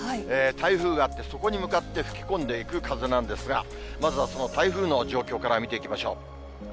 台風があって、そこに向かって吹き込んでいく風なんですが、まずはその台風の状況から見ていきましょう。